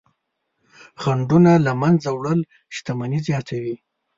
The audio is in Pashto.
خنډونه له منځه وړل شتمني زیاتوي.